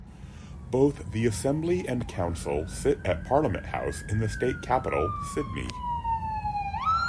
Both the Assembly and Council sit at Parliament House in the state capital, Sydney.